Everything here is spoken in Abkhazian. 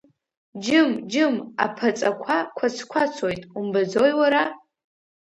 Џьым, џьым, аԥаҵақәа қәацқәацоит, умбаӡои, уара?